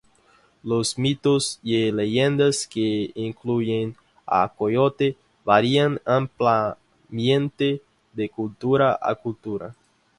Los mitos y leyendas que incluyen a Coyote varían ampliamente de cultura a cultura.